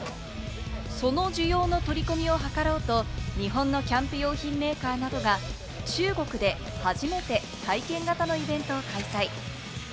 その需要の取り込みを図ろうと、日本のキャンプ用品メーカーなどが中国で初めて体験型のイベントを開催。